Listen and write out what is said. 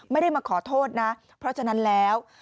ไม่ได้มาขอโทษนะเพราะฉะนั้นแล้ว